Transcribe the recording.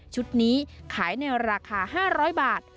ชุดนี้ขายในราคา๕๐๐บาท